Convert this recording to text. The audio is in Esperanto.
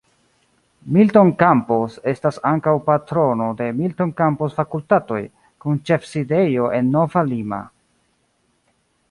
Milton Campos estas ankaŭ patrono de "Milton Campos Fakultatoj", kun ĉefsidejo en Nova Lima.